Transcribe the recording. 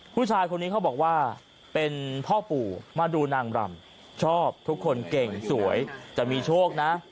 ผู้ชายคนนี้เขาบอกว่าเป็นพ่อปู่มาดูนางรำชอบทุกคนเก่งสวยจะมีโชคนะ